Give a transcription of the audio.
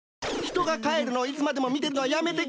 人が帰るのをいつまでも見てるのはやめてくれんかね。